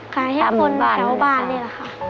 ให้คนแถวบ้านนี่แหละค่ะ